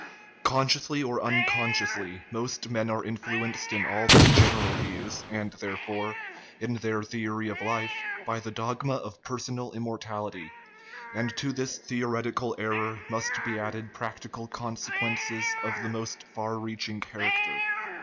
Consciously or unconsciously, most men are influenced in all their general views, and, therefore, in their theory of life, by the dogma of personal immortality ; and to this theo retical error must be added practical consequences of 1 88 THE IMMORTALITY OF THE SOUL the most far reaching character.